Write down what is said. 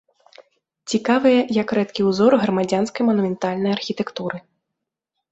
Цікавыя як рэдкі ўзор грамадзянскай манументальнай архітэктуры.